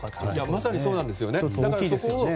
まさにそうなんですよね。